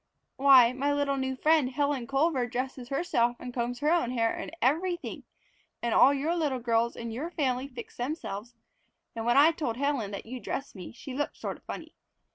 "Why, my little new friend Helen Culver dresses herself and combs her own hair and everything. And all your little girls in your family fix themselves, and when I told Helen that you dress me she looked sort of funny.